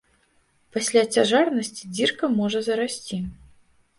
Пасля цяжарнасці дзірка можа зарасці.